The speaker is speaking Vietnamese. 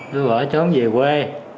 tôi bỏ trốn về quê